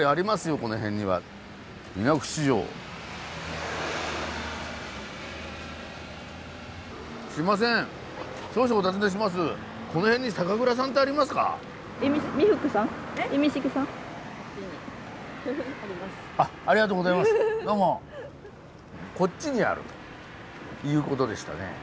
こっちにあるいうことでしたね。